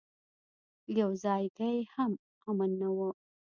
يو ځايګى هم امن نه و.